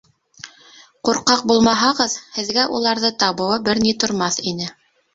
Ҡурҡаҡ булмаһағыҙ, һеҙгә уларҙы табыуы бер ни тормаҫ ине.